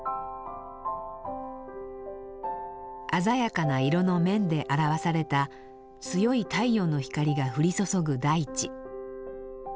鮮やかな色の面で表された強い太陽の光が降り注ぐ大地。